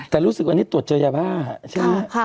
แต่รู้สึกวันนี้ตรวจเจอยาบ้าใช่ไหม